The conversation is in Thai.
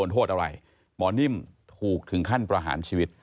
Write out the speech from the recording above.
โทษอะไรหมอนิ่มถูกถึงขั้นประหารชีวิต